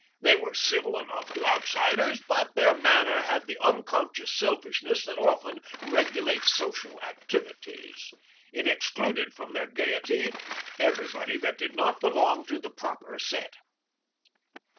They were civil enough to outsiders, but their manner had the unconscious selfishness that often regulates social activities. It excluded from their gayety everybody that did not belong to the proper set.